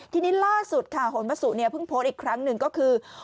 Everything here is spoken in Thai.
ทีนี้ล่าสุดค่ะหนวสุเนี่ยเพิ่งโพสต์อีกครั้งหนึ่งก็คือ